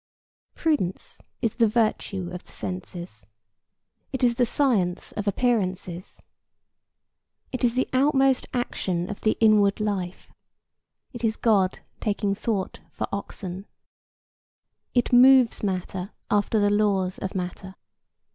Prudence is the virtue of the senses. It is the science of appearances. It is the outmost action of the inward life. It is God taking thought for oxen. It moves matter after the laws of matter.